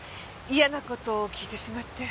嫌な事聞いてしまって。